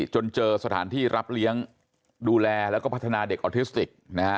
จนเจอสถานที่รับเลี้ยงดูแลแล้วก็พัฒนาเด็กออทิสติกนะฮะ